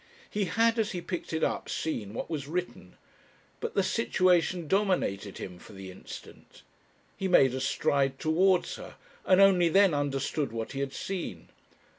He had as he picked it up seen what was written, but the situation dominated him for the instant. He made a stride towards her, and only then understood what he had seen.